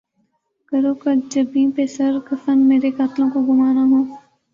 کرو کج جبیں پہ سر کفن مرے قاتلوں کو گماں نہ ہو